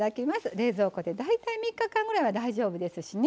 冷蔵庫で大体３日間ぐらいは大丈夫ですしね